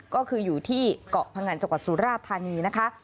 ก็คืออยู่ที่เกาะพงันจังหวัดสุราธานีนะคะ